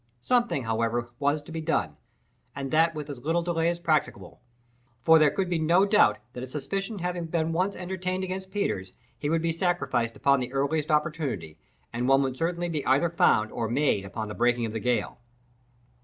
Something, however, was to be done, and that with as little delay as practicable, for there could be no doubt that a suspicion having been once entertained against Peters, he would be sacrificed upon the earliest occasion, and one would certainly be either found or made upon the breaking of the gale.